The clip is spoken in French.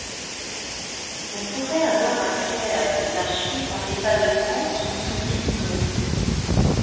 On pourrait avoir accès à ces archives en état de transe ou sous hypnose.